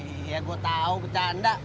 iya gue tahu bercanda